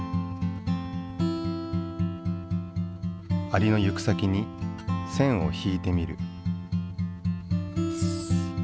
アリの行く先に線を引いてみる。